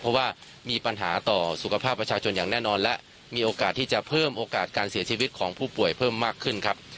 เพราะว่ามีปัญหาต่อสุขภาพประชาชนอย่างแน่นอนและมีโอกาสที่จะเพิ่มโอกาสการเสียชีวิตของผู้ป่วยเพิ่มมากขึ้นครับ